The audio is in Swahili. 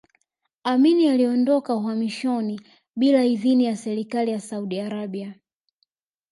Amin aliondoka uhamishoni bila idhini ya serikali ya Saudi Arabia